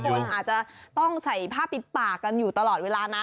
คนอาจจะต้องใส่ผ้าปิดปากกันอยู่ตลอดเวลานะ